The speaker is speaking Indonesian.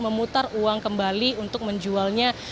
memutar uang kembali untuk menjualnya